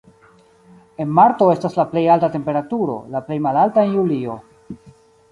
En marto estas la plej alta temperaturo, la plej malalta en julio.